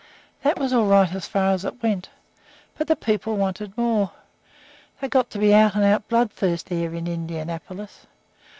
"That was all right as far as it went, but the people wanted more. They got to be out and out bloodthirsty there in Indianapolis.